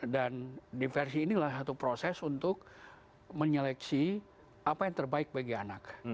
dan diversi ini adalah satu proses untuk menyeleksi apa yang terbaik bagi anak